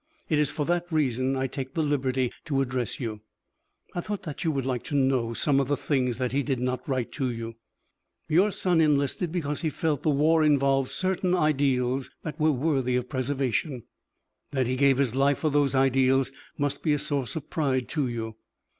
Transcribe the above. It is for that reason I take the liberty to address you. "I thought that you would like to know some of the things that he did not write to you. Your son enlisted because he felt the war involved certain ideals that were worthy of preservation. That he gave his life for those ideals must be a source of pride to you.